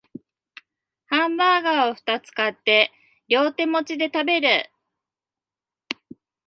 ハンバーガーをふたつ買って両手持ちで食べる